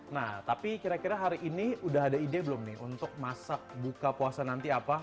nah tapi kira kira hari ini udah ada ide belum nih untuk masak buka puasa nanti apa